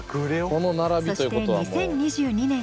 そして２０２２年１月。